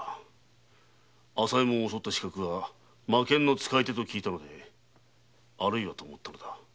朝右衛門を襲った刺客が魔剣の使い手と聞いてあるいはと思ったのだ。